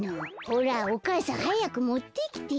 ほらお母さんはやくもってきて。